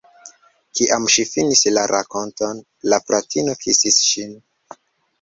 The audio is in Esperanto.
Kiam ŝi finis la rakonton, la fratino kisis ŝin.